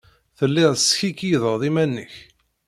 Tellid teskikkiḍed iman-nnek.